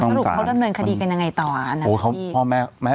สรุปเขาดำเนินคดีกันยังไงต่อนะ